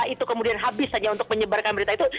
itu kemudian habis saja untuk menyebarkan berita itu